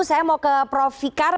saya mau ke prof fikar